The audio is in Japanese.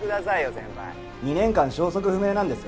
先輩２年間消息不明なんですよ